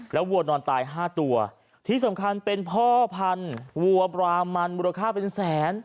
วัวนอนตายห้าตัวที่สำคัญเป็นพ่อพันธุ์วัวบรามันมูลค่าเป็นแสน